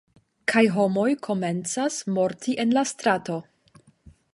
kaj homoj komencas morti en la strato.